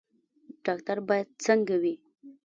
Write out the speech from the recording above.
ډاکټر باید څنګه وي؟